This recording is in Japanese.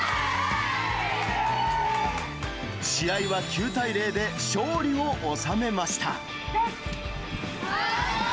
試合は９対０で勝利を収めました。